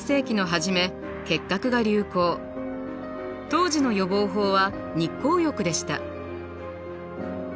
当時の予防法は日光浴でした。